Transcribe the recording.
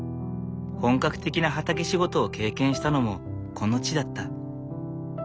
本格的な畑仕事を経験したのもこの地だった。